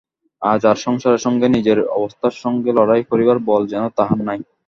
আজ আর সংসারের সঙ্গে নিজের অবস্থার সঙ্গে লড়াই করিবার বল যেন তাহার নাই।